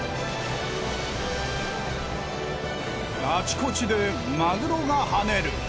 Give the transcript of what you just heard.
あちこちでマグロが跳ねる。